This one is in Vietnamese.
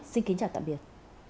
xin kính chào tạm biệt